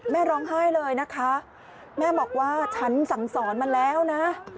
แม่ร้องไห้เลยนะคะแม่บอกว่าฉันสั่งสอนมาแล้วนะ